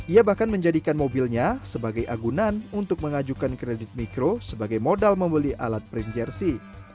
ia bahkan menjadikan mobilnya sebagai agunan untuk mengajukan kredit mikro sebagai modal membeli alat print jersey